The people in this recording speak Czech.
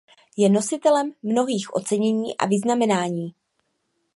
Je nositelem mnohých ocenění a vyznamenání.